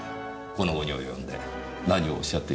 この期に及んで何をおっしゃっているのでしょう？